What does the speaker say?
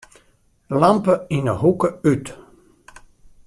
Lampe yn 'e hoeke út.